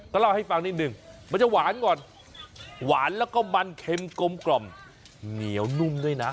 ก็เล่าให้ฟังนิดนึงมันจะหวานก่อนหวานแล้วก็มันเค็มกลมกล่อมเหนียวนุ่มด้วยนะ